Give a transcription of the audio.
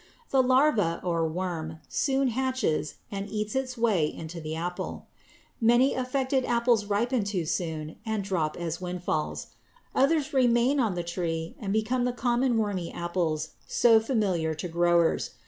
The larva, or "worm," soon hatches and eats its way into the apple. Many affected apples ripen too soon and drop as "windfalls." Others remain on the tree and become the common wormy apples so familiar to growers.